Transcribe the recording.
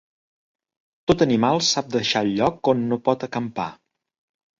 Tot animal sap deixar el lloc on no pot acampar.